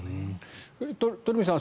鳥海さん